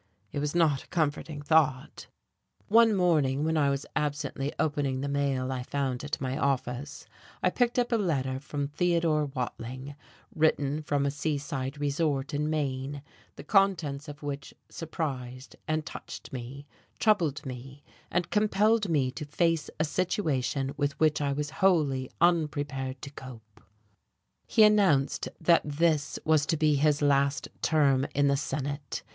It was not a comforting thought. One morning when I was absently opening the mail I found at my office I picked up a letter from Theodore Watling, written from a seaside resort in Maine, the contents of which surprised and touched me, troubled me, and compelled me to face a situation with which I was wholly unprepared to cope. He announced that this was to be his last term in the Senate.